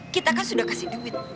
kita kan sudah kasih duit cukup dong